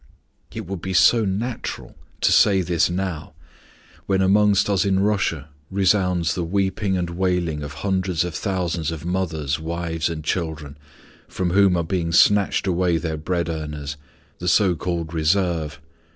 It would be so natural to say this now, when amongst us in Russia resounds the weeping and wailing of hundreds of thousands of mothers, wives, and children, from whom are being snatched away their bread earners, the so called "reserve."